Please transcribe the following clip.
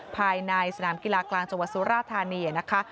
ภายในสนามกีฬากลางจวัสสุรภาษณีย์นะคะ